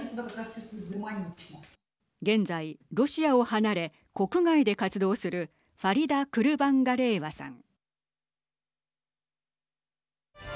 現在ロシアを離れ国外で活動するファリダ・クルバンガレエワさん。